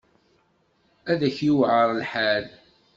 Ad k-yuεer lḥal.